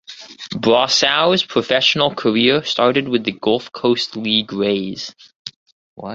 Brosseau’s professional career started with the Gulf Coast League Rays.